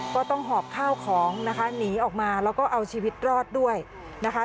ต้องหอบข้าวของนะคะหนีออกมาแล้วก็เอาชีวิตรอดด้วยนะคะ